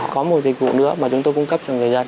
có một dịch vụ nữa mà chúng tôi cung cấp cho người dân